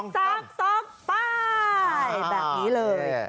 แบบนี้เลย